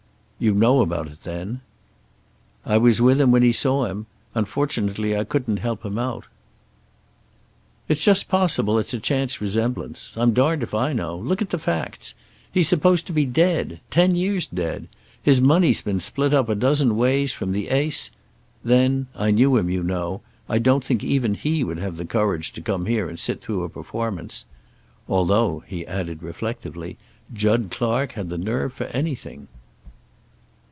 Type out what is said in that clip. "You know about it, then?" "I was with him when he saw him. Unfortunately I couldn't help him out." "It's just possible it's a chance resemblance. I'm darned if I know. Look at the facts! He's supposed to be dead. Ten years dead. His money's been split up a dozen ways from the ace. Then I knew him, you know I don't think even he would have the courage to come here and sit through a performance. Although," he added reflectively, "Jud Clark had the nerve for anything."